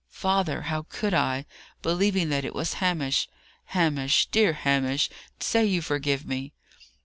"Father, how could I believing that it was Hamish? Hamish, dear Hamish, say you forgive me!"